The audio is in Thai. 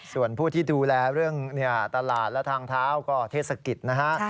ส่วนผู้ที่ดูแลเรื่องตลาดและทางเท้าก็เทศกิจนะฮะ